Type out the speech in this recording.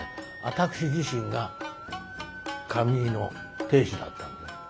私自身が髪結いの亭主だったんです。